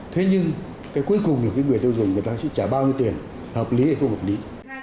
thế nhưng cái cuối cùng là cái người tiêu dùng người ta sẽ trả bao nhiêu tiền hợp lý hay không hợp lý